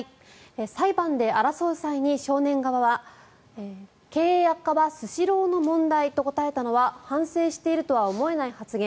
裁判で争う際に少年側は経営悪化はスシローの問題と答えたのは反省しているとは思えない発言